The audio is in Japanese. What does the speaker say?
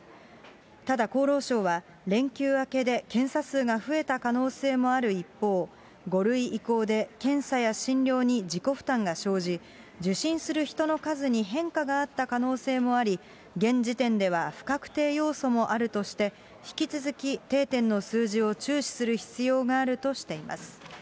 ただ、厚労省は、連休明けで検査数が増えた可能性もある一方、５類移行で検査や診療に自己負担が生じ、受診する人の数に変化があった可能性もあり、現時点では不確定要素もあるとして、引き続き定点の数字を注視する必要があるとしています。